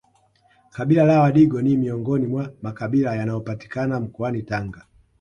Kabila la wadigo ni miongoni mwa makabila yanayopatikana mkoani Tanga